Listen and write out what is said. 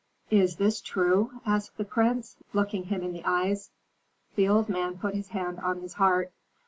"Is this true?" asked the prince, looking him in the eyes. The old man put his hand on his heart.